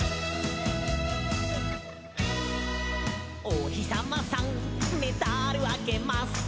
「おひさまさんメダルあげます」